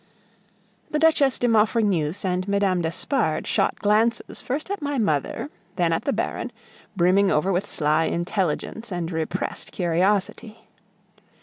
The Duchesse de Maufrigneuse and Mme. d'Espard shot glances first at my mother, then at the Baron, brimming over with sly intelligence and repressed curiosity.